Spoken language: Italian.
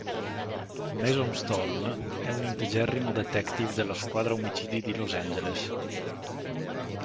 Mason Storm è un integerrimo detective della squadra omicidi di Los Angeles.